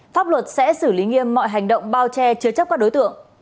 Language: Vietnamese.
pháp luật sẽ xử lý nghiêm mọi hành động bao che chứa chấp các đối tượng